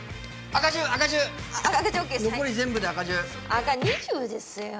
赤２０ですよ！